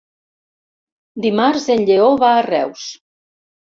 Dimarts en Lleó va a Reus.